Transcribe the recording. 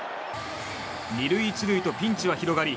２塁１塁とピンチは広がり